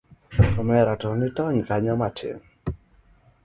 omera to nitony kanyo matin.